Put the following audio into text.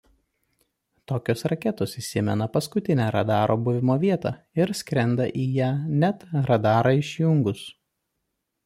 Tokios raketos įsimena paskutinę radaro buvimo vietą ir skrenda į ją net radarą išjungus.